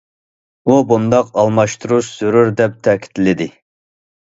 ئۇ بۇنداق ئالماشتۇرۇش زۆرۈر دەپ تەكىتلىدى.